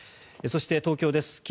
そして、東京です。